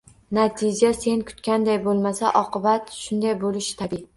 Natija sen kutganday bo‘lmasa, oqibat shunday bo‘lishi tabiiy.